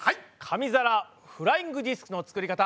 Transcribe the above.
紙皿フライングディスクの作り方